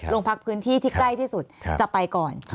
ลงพักพื้นที่ที่ใกล้ที่สุดจะไปก่อน